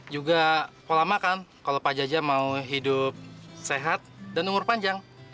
juga pola makan kalau pak jaja mau hidup sehat dan umur panjang